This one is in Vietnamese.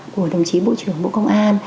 của đồng chí bộ trưởng bộ công an